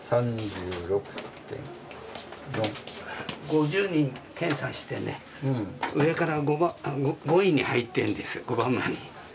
５０人検査して上から５位に入ってるんです。